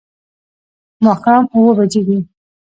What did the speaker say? ماښام اووه بجې دي